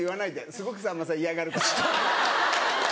すごくさんまさん嫌がるから。